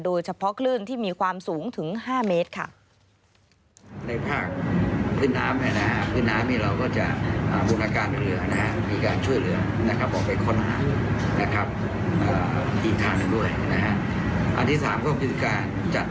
โดยเฉพาะคลื่นที่มีความสูงถึง๕เมตรค่ะ